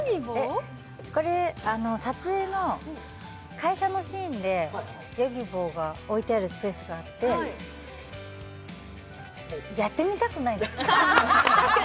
これ、撮影の会社のシーンでＹｏｇｉｂｏが置いてあるスペースがあってやってみたくないですか？